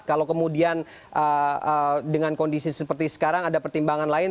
kalau kemudian dengan kondisi seperti sekarang ada pertimbangan lain